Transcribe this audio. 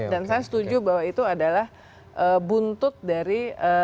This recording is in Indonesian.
dan saya setuju bahwa itu adalah buntut dari